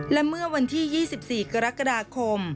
และเมื่อวันที่๒๔กรกฎาคม